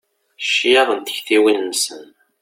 Ccyaḍ n tektiwin-nsen.